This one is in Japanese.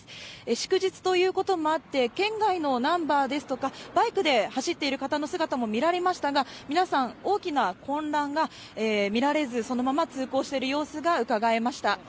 祝日ということもあって、県外のナンバーですとか、バイクで走っている方の姿も見られましたが、皆さん大きな混乱が見られず、そのまま通行している様子がうかがえました。